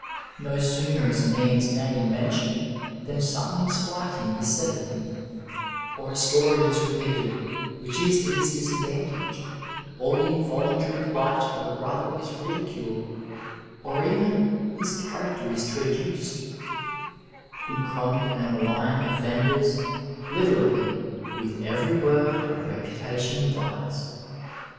No sooner is a man's name mentioned than something slighting is said of him, or a story is repeated which is to his disad. vantage, or the involuntary plight of a brother is ridiculed, 462 Digitized by VjOOQIC UKITY, PEACE, AND CONCORD or erven kis character is traduced. In chronic and malign offenders literally " with every word a reputation dies."